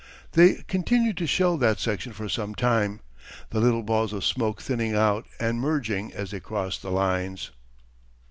They continued to shell that section for some time; the little balls of smoke thinning out and merging as they crossed the lines.